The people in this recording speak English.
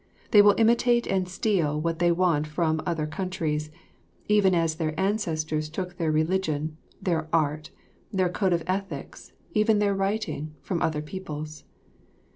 They will imitate and steal what they want from other countries, even as their ancestors took their religion, their art, their code of ethics, even their writing, from other peoples.